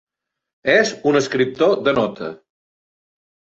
És un escriptor de nota.